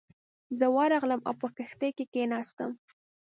زه ورغلم او په کښتۍ کې کېناستم.